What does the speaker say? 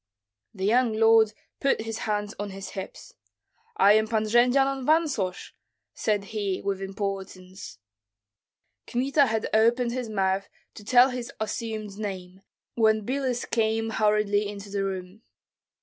The young lord put his hands on his hips: "I am Pan Jendzian of Vansosh," said he, with importance. Kmita had opened his mouth to tell his assumed name, when Biloüs came hurriedly into the room.